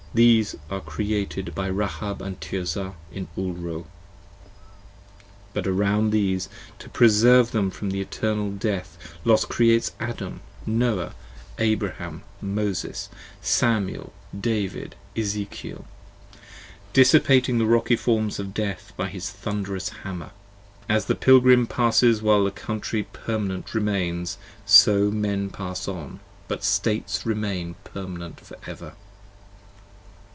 These are Created by Rahab & Tirzah in Ulro: but around These, to preserve them from Eternal Death, Los Creates 40 Adam, Noah, Abraham, Moses, Samuel, David, Ezekiel, Dissipating the rocky forms of Death, by his thunderous Hammer. As the Pilgrim passes while the Country permanent remains, So Men pass on ; but States remain permanent for ever.